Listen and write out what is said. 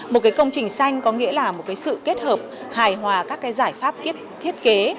một công trình xanh có nghĩa là một sự kết hợp hài hòa các giải pháp thiết kế